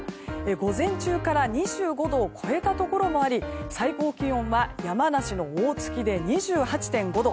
午前中から２５度を超えたところもあり最高気温は山梨の大月で２８．５度。